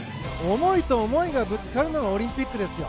思いと思いがぶつかるのがオリンピックですよ。